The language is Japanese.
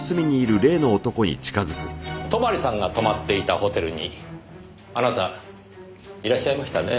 泊さんが泊まっていたホテルにあなたいらっしゃいましたねぇ。